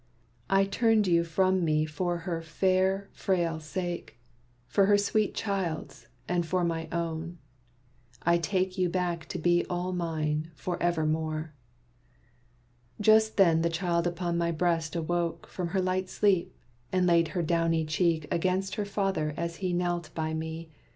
I turned you from me for her fair, frail sake. For her sweet child's, and for my own, I take You back to be all mine, for evermore." Just then the child upon my breast awoke From her light sleep, and laid her downy cheek Against her father as he knelt by me.